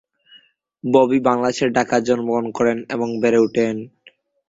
ববি বাংলাদেশের ঢাকায় জন্মগ্রহণ করেন এবং বেড়ে উঠেন।